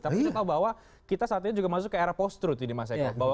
tapi kita tahu bahwa kita saat ini juga masuk ke era post truth ini mas eko